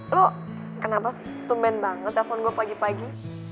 lo kenapa sih tumben banget telfon gue pagi pagi